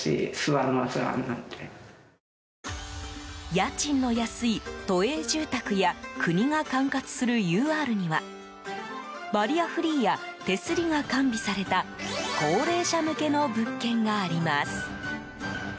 家賃の安い都営住宅や国が管轄するＵＲにはバリアフリーや手すりが完備された高齢者向けの物件があります。